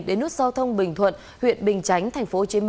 đến nút giao thông bình thuận huyện bình chánh tp hcm